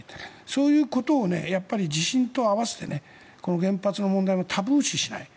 そういうことを地震と合わせてこの原発の問題をタブー視しない。